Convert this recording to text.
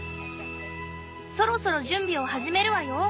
『そろそろ準備を始めるわよ』